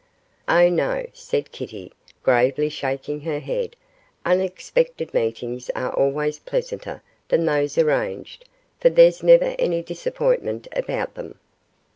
'Oh, no,' said Kitty, gravely shaking her head; 'unexpected meetings are always pleasanter than those arranged, for there's never any disappointment about them.